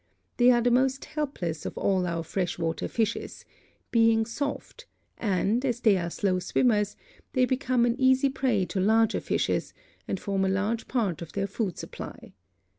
They are the most helpless of all our fresh water fishes, being soft, and, as they are slow swimmers, they become an easy prey to larger fishes, and form a large part of their food supply.